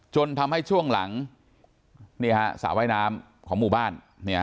จนทำให้ช่วงหลังนี่ฮะสระว่ายน้ำของหมู่บ้าน